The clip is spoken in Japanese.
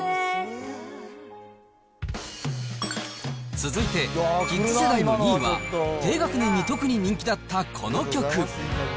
続いて、キッズ世代の２位は、低学年に特に人気だったこの曲。